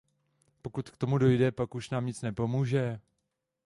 Pokud k tomu dojde, pak už nám nic nepomůže.